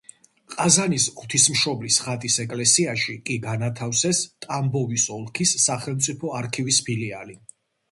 ყაზანის ღვთისმშობლის ხატის ეკლესიაში კი განათავსეს ტამბოვის ოლქის სახელმწიფო არქივის ფილიალი.